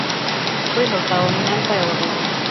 Туй һылтауы менән тайлы булдым.